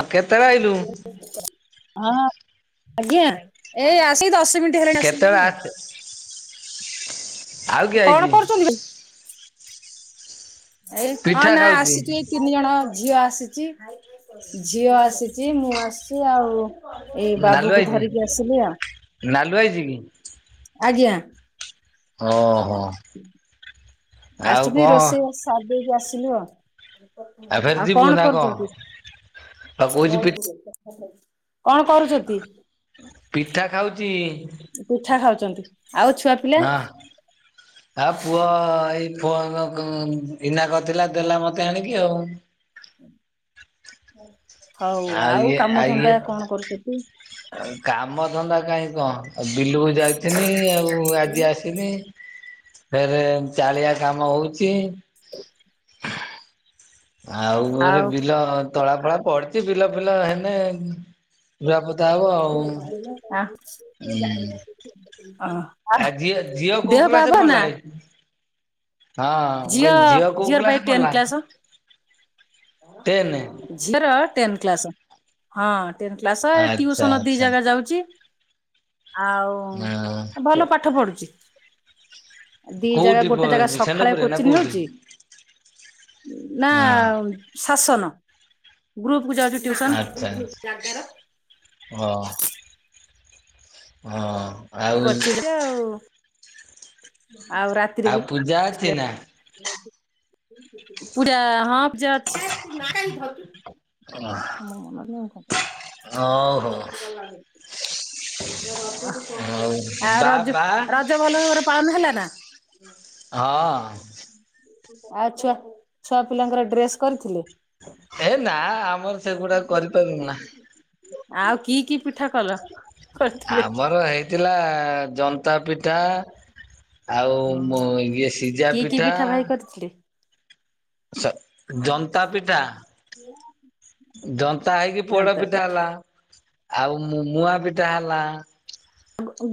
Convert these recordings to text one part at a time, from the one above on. ଆଉ କେତେବେଳେ ଆଇଲୁ? ହଁ ଆଜ୍ଞା ଏ ଆସିକି ବସି ଦଶ ମିନିଟ ହେଲାଣି ଆସିଲିଣି କେତେବେଳେ ଆଉ। ଆସେ ଆଉ କିଏ କଣ ଆଇଛି କରୁଛନ୍ତି ଏଇ ହଁ ପିଠା ନା ଖାଉଛି ଆସିକି ତିନି ଜଣ ଝିଅ ଆସିଛି ଝିଅ ଆସିଛି ମୁଁ ଆସିଛି ଆଉ। ଏଇ ନାଲୁ ବାବୁକୁ ଆଇଛି ଧରିକି ଆସିଲି ଆଉ। ନାଲୁ ଆଇଚି କି? ଆଜ୍ଞା। ହଁ ହଁ। ଆସଛନ୍ତି ରୋଷେଇ ବାସ ସାରିଦେଇକି ଆସିଲୁ ଆଉ। ଫେରେ ଆଉ ଯିବୁ କଣ ନା କରୁଛନ୍ତି? ଆଉ କହୁଛି ପି କଣ କରୁଛନ୍ତି? ପିଠା ଖାଉଛି। ପିଠା ଖାଉଛନ୍ତି ଆଉ ଛୁଆ ପିଲା? ହଁ। [inaudible] ଆଉ ପୁଅ ଏଇ ପୁଅ ବିନା କରିଥିଲା ଦେଲା ମତେ ଆଣିକି ଆଉ। ହଉ ଆଉ କାମ ଧନ୍ଦା କଣ କରୁଛନ୍ତି? କାମ ଧନ୍ଦା କାହିଁ କଣ ବିଲକୁ ଯାଇଥିନି ଆଉ ଆଜି ଆସିଲୀ। ଫେରେ ଚାଳିଆ କାମ ହଉଚି। ଆଉ ଘରେ ବିଲ ତଳା ଫଳା ପଡ଼ିଛି ବିଲ ଫିଲ ହେନି ରୁଆ ପତ୍ତା ହବ ଆଉ ଆ ହୁଁ। [unintelligible] ଆ ଝିଅ ଝିଅ କୋଉ ଦେହ ପା କ୍ଲାସ ଭଲ ନା? ପଢ଼ିଲାଣି। ହଁ ମୁଁ କହିଲି ଝିଅ କୋଉ ଝିଅର ପା ଏଇ କ୍ଲାସ ଟେନ୍ ପଢ଼ିଲା? କ୍ଲାସ। ଝିଅର ଟେନ୍ଥ କ୍ଲାସ। ହଁ ଟେନ୍ଥ ଆଚ୍ଛା ଟିଉସନ ଦି ଆଚ୍ଛା ଜାଗା ଯାଉଛି ଆଉ ହଁ ଭଲ ପାଠ ପଢୁଛି। ଦି ଜାଗା କୋଉଠି ପ ଗୋଟେ ଜାଗା ସକାଳେ ସେଣ୍ଡପୁରରେ ନା କୋଚିଂ କୋଉଠି? ନେଉଛି। ନା ହଁ ଶାସନ ଗ୍ରୁପ କୁ ଯାଉଛି ଟ୍ୟୁସନ ଜାଗାର ହଁ। ହଁ। ଆଉ କଚିତ ଆଉ। ଆଉ ରାତିରେ ବି ପୂଜା ଅଛି ନା? ପୂଜା ହଁ ପୂଜା ଅଛି ହଁ ଆଉ ହଉ ଆଉ ବା ରଜ ର ବା ରଜ ଭଲ ଭାବରେ ପାଳନ ହେଲା ନା? ହଁ। ଆଉ ଛୁଆ ଛୁଆ ପିଲାଙ୍କର ଡ୍ରେସ୍ କରିଥିଲେ? ହେ ନା ଆମର ସେଗୁଡ଼ାକ କରିପାରୁନା। ଆଉ କି କି ପିଠା କଲ କରିଥିଲେ? ଆମର ହେଇଥିଲା ଜନ୍ତା ପି ପିଠା ଆଉ ହଁ ଇଏ ସିଜା କି କି ପିଠା। ଭାଇ କରିଥିଲେ? ଜନ୍ତା ପିଠା। [unintelligible] ଦନ୍ତା ହେଇକି ପୋଡା ପିଠା ହେଲା। ଆଉ ମୁଆଁ ପିଠା ହେଲା।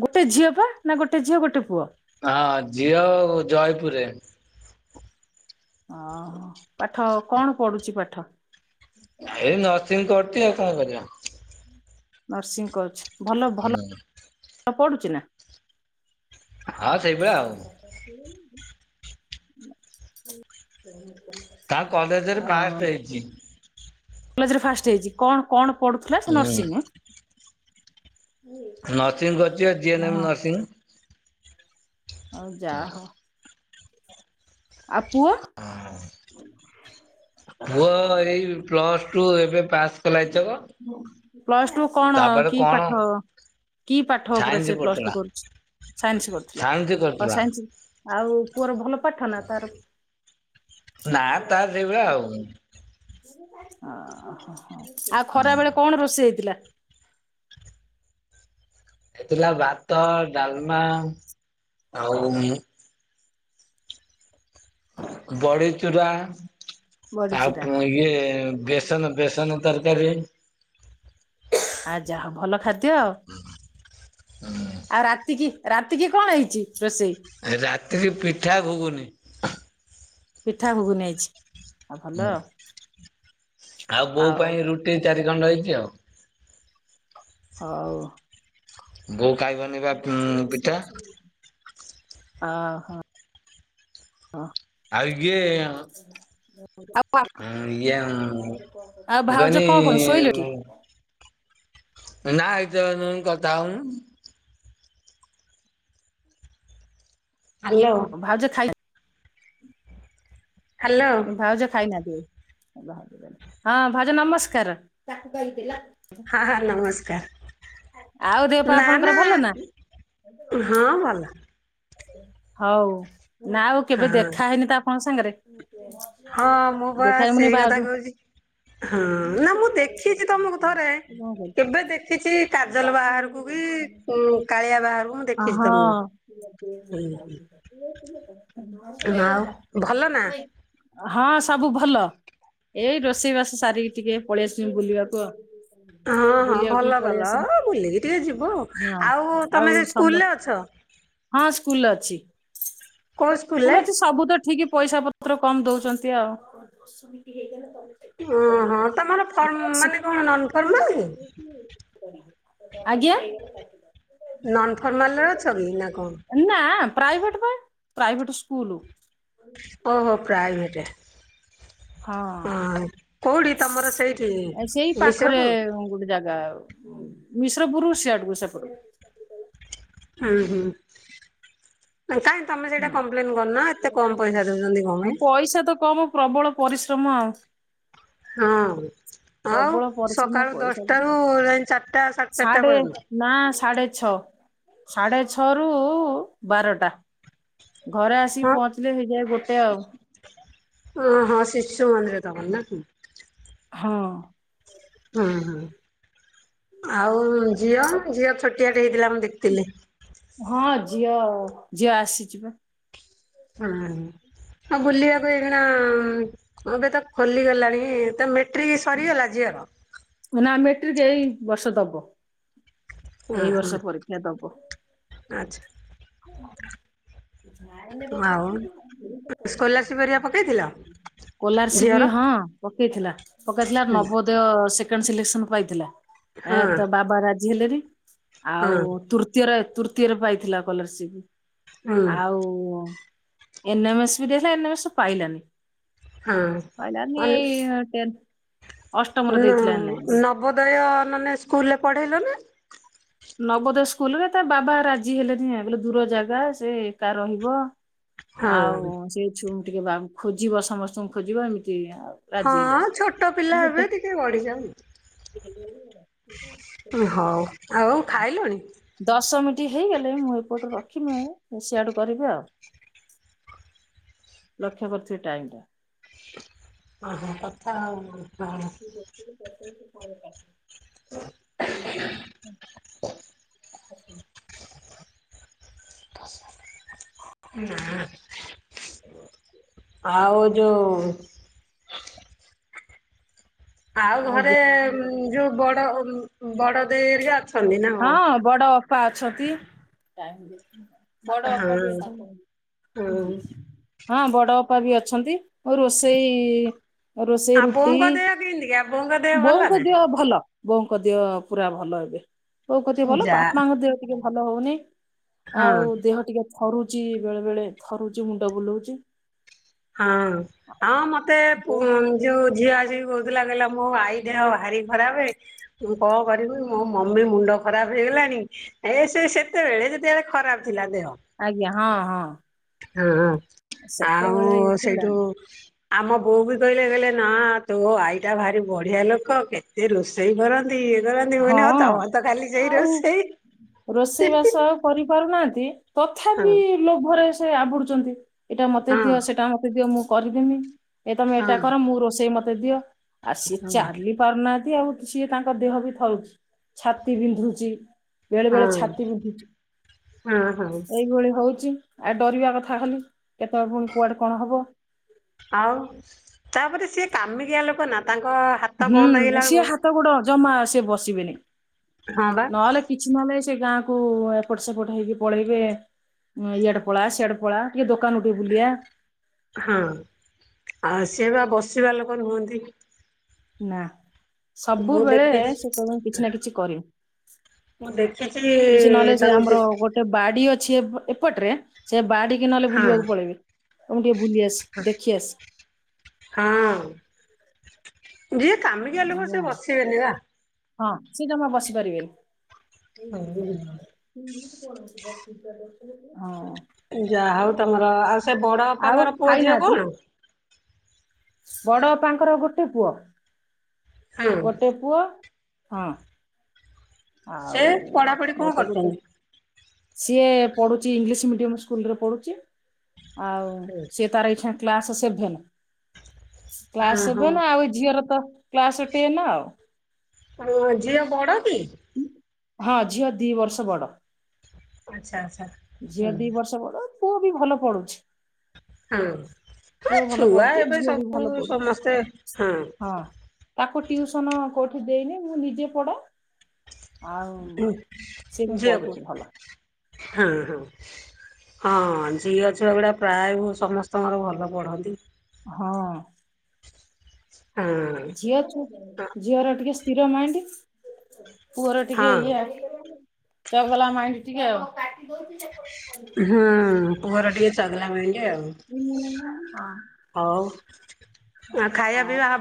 ଗୋଟେ ଝିଅ ପା, ନା ଗୋଟେ ଝିଅ ଗୋଟେ ପୁଅ। ହଁ ଝିଅ ଜୟପୁରରେ। ଓହୋ ପାଠ କଣ ପଢୁଚି ପାଠ? ଏଇ ନର୍ସିଂ କରଚି ଆଉ କଣ କରିବ। ନର୍ସିଂ କରୁଚି ଭଲ- ଭଲ ହୁଁ ପଢୁଚି ନା? [inaudible] [inaudible] ହଁ ସେଇଭଳିଆ ଆଉ ତାଙ୍କ କଲେଜ୍ ରେ ଫାଷ୍ଟ୍ ହେଇଚି। କଲେଜ ରେ ଫାଷ୍ଟ୍ ହେଇଚି କଣ୍- କଣ୍ ପଢୁଥିଲା ସେ ହୁଁ ନର୍ସିଂ ଆଁ? ନର୍ସିଂ କରିଚି ବା ଜିଏନ ଏମ୍ ହଁ ନର୍ସିଂ। ଆଉ ଯା ହଉ। ଆଉ ପୁଅ। [inaudible] ହ [inaudible] ପୁଅ ଏଇ ପ୍ଲସ୍ ଟୁ ଏବେ ପାସ୍ କଲା ଏଇଥରକ। ପ୍ଲସ ଟୁ କଣ ତାପରେ କି କଣ ପାଠ? କି ପାଠ ଉପରେ ସାଇନ୍ସ ସେ ପ୍ଲସ୍ ଟୁ ପଢୁଥିଲା। କରୁଚି ସାଇନ୍ସ୍ କରୁଥିଲା ସାଇନ୍ସ ଓ କରୁଥିଲା ସାଇନ୍ସ୍ ଆଉ ପୁଅର ଭଲ ପାଠ ନା ତାର ନା ଓହୋ ତାର ସେଇଭଳିଆ ଆଉ। ଆଉ ଖରା ବେଳେ କଣ ରୋଷେଇ ହେଇଥିଲା? ହେଇଥିଲା ଭାତ, ଡାଲ୍ମା ଆଉ ବଡିଚୁରା ବଡିଚୁରା ଆଉ ଇଏ ବେଶ୍ ବେସନ- ବେସନ ତରକାରୀ। ଆ ଯାହଉ ଭଲ ଖାଦ୍ୟ ଆଉ। ଆଉ ରାତି କିି- ରାତି କିି କଣ ହେଇଚି ରୋଷେଇ? ରାତିରେ ପିଠା ଘୁଗୁନି। ପିଠା ଘୁଗୁନି ହେଇଚି ଆଉ ଭଲ ଆଉ। ଆଉ ବଉ ପାଇଁ ରୁଟି ଚାରି ଖଣ୍ଡ ହେଇଚି ଆଉ। ହଉ। ବଉ ଖାଇବନି ବା ଉଁ- ପିଠା। ଅ ହ। ହଁ। ଆ-କିଏ? ଆଉ ମୁଁ -ଆଉ ଭାଉଜ କହିନି କଣ କରୁଚନ୍ତି ଶୋଇଲେଣି? [unintelligible] ହାଲୋ। ଭାଉଜ ଖାଇ ହ୍ୟାଲୋ ଭାଉଜ ଖାଇନାହାନ୍ତି ବୋଧେ ହଁ -ଭାଉଜ ନମସ୍କାର। ହଁ ହଁ- ନମସ୍କାର୍ ଆଉ ଦେହ ପା ନା ଆପଣଙ୍କର -ନା। ଭଲ ହଁ ଭଲ। ହଉ ନା ଆଉ କେବେ ହଁ ଦେଖା ହେଇନି ତ ଆପଣଙ୍କ ସାଙ୍ଗେରେ। ହଁ ମୁଁ ପା ସେଇ କଥା କହୁଚି। ହଁ -ନା ମୁଁ ଦେଖିଚି ତମକୁ ଥରେ କେବେ ଦେଖ୍ ଦେଖିଚି କାଜଲ ବାହାଘରକୁ କି କୁ-କାଳିଆ ବାହାଘରକୁ ମୁଁ ଦେଖିଚି ତମକୁ। [inaudible] ହଁ- ଆଉ ଭଲ ନା? ହଁ ସବୁ ଭଲ। ଏଇ ରୋଷେଇବାସ ସାରିକି ଟିକେ ପଳେଇ ଆସିଚି ବୁଲିବାକୁ ଆଉ। ହଁ -ହଁ ବୁଲିବାକୁ ଭଲ ଟିକେ ପଳେଇ କଲ ଆସିଲି ଓ ବୁଲିକି ଟିକେ ଯିବ। ହଁ ଆଉ ତମେ ହେ ସ୍କୁଲରେ ଅଛ? ହଁ ସ୍କୁଲରେ ଅଛି କୋଉ ସ୍କୁଲରେ? ସ୍କୁଲ୍ ଅଛି ସବୁ ତ ଠିକ୍ ପଇସା ପତ୍ ପତ୍ର କମ୍ ଦଉଚନ୍ତି ଆଉ। ଓହୋ ତମର ଫର୍ମ ମାନେ କଣ ନନ୍ ଫର୍ମାଲ୍? [inaudible] ଆଜ୍ଞା। ନନ୍ ଫର୍ମାଲ୍ ରେ ଅଛ କି ନା କଣ? ଅ, ନା ପ୍ରାଇଭେଟ ପା ପ୍ରାଇଭେଟ ସ୍କୁଲୁ। ଓହୋ ପ୍ରାଇଭେଟେ। [inaudible] ଁ ହଁ କୋଉଠି ତମର ସେଇଠି ଏ ସେଇ ପାଖରେ ମିଶ୍ରପୁର? ଗୋଟେ ଜାଗା ଆଉ। ମିଶ୍ରପୁରୁ ସିଆଡକୁ ସେପଟ। ହଁ, ହଁ। କାଇଁ ତୋମେ ସେଇଟା ହଁ, କମ୍ପ୍ଲେନ୍ କରୁନ ଏତେ କମ୍ ପଇସା ଦଉଚନ୍ତି କଣ ଆଉ ପାଇଁ। ପଇସା ତ କମ୍। ପ୍ରବଳ ପରିଶ୍ରମ ଆଉ। ହଁ ଆଉ ପ୍ରବଳ ପରିଶ୍ରମ ସକାଳୁ ପଇସା ଦଶଟାରୁ ପତ୍ର ଯାଇ ଚାଟା ସାଢ଼େ ଚାଟା ସାଢେ ପର୍ଯ୍ୟନ୍ତ। ନା ସାଢ଼େ ଛଅ, ସାଢ଼େ ଛଅରୁୁ ବାରଟା। ଘରେ ଆସିକି ହଁ ପହଞ୍ଚିଲେ ହେଇଯାଏ ଗୋଟେ ଆଉ। ଓ ହଁ ଶିଶୁ ମନ୍ଦିର ତୋମର ନା କି? ହଁ। ଅଁ, ହଁ। ଆଉ ଝିଅ, ଝିଅ ଛୋଟିଆ ଟେ ହେଇଥିଲା ମୁଁ ଦେଖିଥିଲି। ହଁ ଝିଅ, ଝିଅ ଆସିଚି ପା। ଅଁ, ହଁ। ହଁ ବୁଲିବାକୁ ଏଇଖିଣା ଏବେ ତ ଖୋଲିଗଲାଣି। ତ ମେ ଟ୍ରିକି ସରିଗଲା ଝିଅର? ନା ମେଟ୍ରିକ୍ ଏଇ ବର୍ଷ ଦବ। ଉଁ ଏଇ ହୁଁ ବର୍ଷ ପରୀକ୍ଷା ଦବ। ଆଚ୍ଛା ଲାଇନ୍ ଟା ତ ଆଉ କଟିଯିବ ସ୍କଲାରସିପ ହେରିକା ପକେଇଥିଲ? [inaudible] କଲାରସିପ୍ ଝିଅର ହଁ ପକେଇଥିଲା। ପକେଇଥିଲା ହୁଁ ନବ ଦୟ ସେକେଣ୍ଡ ସିଲେକ୍ସନ୍ ପାଇଥିଲା। ହଁ ଏ ତା ବାବା ରାଜି ହେଲେନି। ହଁ ଆଉ ତୃତୀୟରେ ତୃତୀୟରେ ପାଇଥିଲା କଲରସିପ୍। ହୁଁ। ଆଉ ଏନେମେସ୍ ବି ଦେଇଥିଲା। ଏନେମେସ୍ ପାଇଲାନି। ହଁ ପାଇଲାନି ଏଇ ଟେନ୍ ଅଷ୍ଟମରେ ଦେଇଥିଲା ଏନେମେସ୍। ବୋଦୟ ନନେ ସ୍କୁଲ୍ ରେ ପଢ଼େଇଲନି। ନବୋଦୟ ସ୍କୁଲ୍ ରେ ତା ବାବା ରାଜି ହେଲେନି ଆ। ବୋଲି ଦୂର ଜାଗା ସେ ଏକା ରହିବ। ହଁ ଆଉ ସେ ଛୁମ୍ ଟିକେ ବା- ଖୋଜିବ ସମସ୍ତଙ୍କୁ ଖୋଜିବ ଏମିତି ଆଉ। ରାଜି ହେଲେନି। ହଁ ଛୋଟ ପିଲା ଯେତେ ଏବେ ଟିକେ ବଢିଯାଉ [inaudible] ଏ ହଉ, ଆଉ ହଁ, ଖାଇଲଣି? ଦଶ ମିଣ୍ଟି ହେଇଗଲେ ମୁଁ ଏପଟର ରଖମେ ଏ ସିଆଡୁ କରିବି ଆ,। ଲକ୍ଷ୍ୟ କରଥିବେ ଟାଇମ୍ ଟା। ଓହୋ! କଥା ହଉନ [inaudible] ତୁ ଦେଖିକି ଦଶ ମିନିଟ୍ ପରେ କାଟିବୁ। [inaudible] ଆସୁନି ନା ଆଉ ଯୋଉ ଆଉ ଘରେ ଆଜ୍ଞା ଉଁ, ଯୋଉ ବଡ ଅ, ଉଁ, ଉଁ, ବଡ ଦେଇ ହେରିକା ଅଛନ୍ତି ନା କଣ? ହଁ ବଡ ଅପା ଅଛନ୍ତି। ବଡ ହଁ ଅପା ବି ଅଛନ୍ ହଁ ହଁ ବଡ଼ ଅପା ବି ଅଛନ୍ତି। ଆଉ ରୋଷେଇ ରୋଷେଇ ଆଉ ରୁଟି, ବୋଉଙ୍କ ଦେହ କେମିତିକା ବୋଉଙ୍କ ଦେହ ଭଲ ବୋଉଙ୍କ ନା? ଦହ ଭଲ। ବୋଉଙ୍କ ଦେହ ପୁରା ଭଲ ଏବେ। ବୋଉ ଙ୍କ ଦେହ ଭଲ। ଯା ବାପାଙ୍କ ଦେହ ଟିକେ ଭଲ ହଉନି। ହଁ ଆଉ ଦେହ ଟିକେ ଥରୁଚି ବେଳେ ବେଳେ ଥରୁଚି, ମୁଣ୍ଡ ବୁଲଉଚି। ହଁ ଆଉ ମୋତେ ପୁଅଁ ଯୋଉ ଝିଅ ଆସିକି କହୁଥିଲା କହିଲା ମୋ ଆଈ ଦେହ ଭାରି ଖରାପେ ମୁଁ କଣ କରିବି ମୋ ମମି ମୁଣ୍ଡ ଖରାପ୍ ହେଇଗଲାଣି। ଏ ସେ ସେତେବେଳେ ଯେତେବେଳେ ଖରାପ୍ ଥିଲା ଦେହ। ଆଜ୍ଞା ହଁ ହଁ। ହଁ ହଁ ଆଉ ସେତେବେଳେ ଇଏ ଥିଲା ସେଇଠୁ ଆମ ବୋଉ ବି କହିଲେ କହିଲେ ନାଁ ତୋ ଆଈଟା ଭାରି ବଢିଆ ଲୋକ କେତେ ରୋଷେଇ କର ନ୍ତି ଇଏ କରନ୍ତି ମୁଁ କହିଲି ହଁ ତମର ତ ଖାଲି ସେଇ ଆଉ ରୋଷେଇ। ରୋଷେଇ ବାସ ଆଉ କରିପାରୁ ନାହାନ୍ତି ତଥାପି ହଁ ଲୋଭରେ ସ ସେ ଆବୁଡୁଚନ୍ତି ଏଟା ମତେ ହଁ ଦିଅ ସେଟା ମତେ ଦିଅ ମୁଁ କରିଦେମି। ଏ ତମେ ହଁ ଏଟା କର ମୁଁ ରୋଷେଇ ମତେ ଦିଅ ଆ ସିଏ ହଁ ଚାଲି ପାରୁନାହାନ୍ତି ଆଉ ସିଏ ତାଙ୍କ ଦେହ ବି ଥରୁଛି ଛାତି ବିନ୍ଧୁଚି ବେଳେ ବେଳେ ହଁ ଛାତି ବିନ୍ଧୁଚି। ହଁ ହଁ ଏଇଭଳି ହଉଚି ଆ ଡରିବା କଥା ଖଲି କେତେବେଳେ ପୁଣି କୁଆଡେ କଣ ହବ। ଆଉ ତାପରେ ସିଏ କାମିକିଆ ଲୋକ ନା ତାଙ୍କ ହା ହୁଁ ସିଏ ହାତ ଗୋଡ ଜମା ସିଏ ବସିବେନି ହଁ ବା ନହେଲେ କିଛି ନହେଲେ ସେ ଗାଁକୁ ଏପଟ ସେପଟ ହେଇକି ପଳେଇବେ ଉଁ ଇଆଡେ ପଳା ସିଆଡେ ପଳା ଟିକେ ଦୋକାନ ଟୁ ବୁଲିଆ ହଁ ଆ ସିଏ ବା ବସିବା ଲୋକ ନୁହନ୍ତି। ନାଁ ମୁଁ ସବୁବେଳେ ଦେଖିଛି ସେ କହିବେ କିଛି ନା କିଛି କରିବି। ମୁଁ ଦେଖିଚି ତାଙ୍କୁ ଦେ ଟେ ବାଡି ଅଛି ଏପ ଏପଟେରେ ସେ ବାଡିିକି ନହେଲେ ହଁ ବୁଲିବାକୁ ପଳେଇବେ ମୁଁ ଟିକେ ବୁଲି ଆସେ। ଦେଖି ଆସ ହଁ ଯିଏ କାମି କିଆ ଲୋକ ସିଏ ବସିବେନି ବା। ହଁ ସିଏ ଜମା ବସି ହୁଁ। ପାରିବେନି। [unintelligible] ହଁ। ଯାହା ହଉ ତମର ଆଉ ସେ ବଡ ଆଉ ଅପାଙ୍କର ପୁଅ ଝିଅ କଣ? ବଡ଼ ଅପାଙ୍କର ଗୋଟେ ପୁଅ ହଁ ଗୋଟେ ପୁଅ ହଁ। ସେ ଆଉ ପଢାପଢି କଣ ମୋର ତ ଗୋଟେ କରୁଛନ୍ତି ସିଏ ପଢୁଛି ଇଂଲିଶ୍ ମିଡିୟମ ସ୍କୁଲରେ ପଢୁଚି ଆଉ ସେ ତାର ଇଚ୍ଛା କ୍ଲାସ୍ ସେଭେନେ କ୍ଲାସ୍ ହଁ ସେଭେନେ ଆଉ ଇ ଝିଅର ତ କ୍ଲାସ ଟେନେ ଆଉ। ହଁ ଝିଅ ବଡ କି? ହଁ ଝିଅ ଦି ବର୍ଷ ବଡ ଆଚ୍ଛା ଆଚ୍ଛା ଝିଅ ହୁଁ ଦି ବର୍ଷ ବଡ ପୁଅ ବି ଭଲ ପଡୁଛି ହଁ ହଁ ପୁଅ ଭଲ ଛୁଆ ପଢୁଛି ଏବେ ଝିଅ ବି ସବୁ ଭଲ ସମସ୍ତେ ପଢୁଛି ହଁ। ତାକୁ ଟିଉସନ କଉଠି ଦେଇନି ମୁଁ ନିଜେ ପଡ଼େ ସିଏ ବି ଉଁ ଝିଅକୁ ପଢୁଛି ଭଲ ହୁଁ ହୁଁ। ହଁ ଝିଅ ଛୁଆ ଗୁଡ଼ା ପ୍ରାୟେ ଭ ସମସ୍ତଙ୍କର ଭଲ ପଢ଼ନ୍ତି। ହଁ। [inaudible] ଝିଅଛୁ ଝିଅର ଟିକେ ସ୍ଥିର ମାଇଂଣ୍ଡି। ପୁଅର ଟିକେ ହଁ ଇଆ ଚଗଲା ମାଇଂଣ୍ଡି ଟିକେ ଆଉ। ହୁଁ ପୁଅର ଟିକେ ଚଗଲା ମାଇଂଣ୍ଡି ଆଉ। ଉଁ ହଁ। ହଉ ଆଉ ଖାଇବା ପିଇବା ହବ